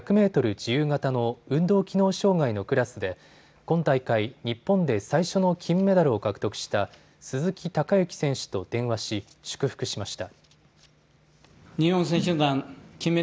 自由形の運動機能障害のクラスで今大会、日本で最初の金メダルを獲得した鈴木孝幸選手と電話し祝福しました。